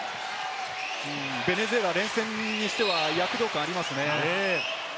ベネズエラ、連戦にしては躍動感がありますね。